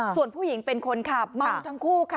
ส่วนผู้หญิงเป็นคนขับเมาทั้งคู่ค่ะ